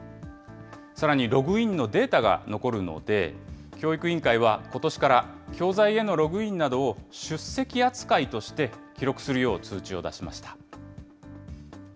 さらにログインのデータが残るので、教育委員会は、ことしから教材へのログインなどを出席扱いとして記録するよう通知を出しました。